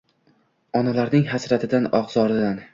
Onalarning hasratidan, oh-zoridan